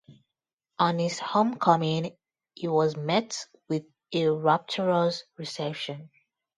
On his homecoming, he was met with a rapturous reception.